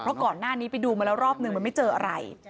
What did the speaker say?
เพราะก่อนหน้านี้ไปดูมาแล้วรอบนึงมันไม่เจออะไร